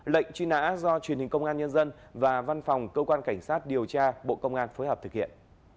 lệnh truy nã do truyền hình công an nhân dân và văn phòng cơ quan cảnh sát điều tra bộ công an phối hợp thực hiện